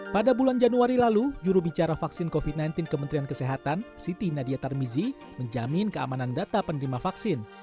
pada bulan januari lalu jurubicara vaksin covid sembilan belas kementerian kesehatan siti nadia tarmizi menjamin keamanan data penerima vaksin